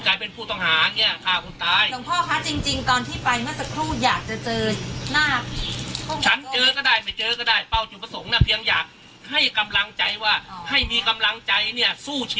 กลายเป็นผู้ต่างหางเนี่ยฆ่าคนตาย